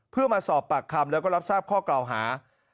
เพื่อมาสอบปากคำแล้วก็รับทราบข้อกล่าวหา